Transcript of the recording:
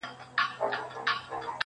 o د خواست کړي آس غاښ مه گوره٫